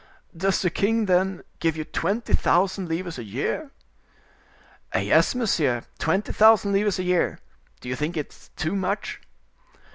"Does the king, then, give you twenty thousand livres a year?" "Yes, monseigneur, twenty thousand livres a year. Do you think it is too much?"